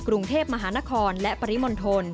กรุงเทพมหานครและปริมณฑล